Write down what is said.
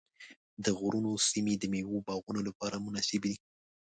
د غرونو سیمې د مېوو باغونو لپاره مناسبې دي.